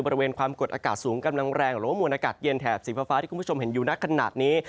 บริเวณความกดอากาศสูงกำลังแรงหรือว่ามวลอากาศเย็นแถบสีฟ้าที่คุณผู้ชมเห็นอยู่นักขนาดนี้